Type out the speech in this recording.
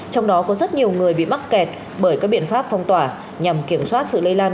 trong đó có rất nhiều người bị mắc kẹt bởi các biện pháp phong tỏa nhằm kiểm soát sự lây lan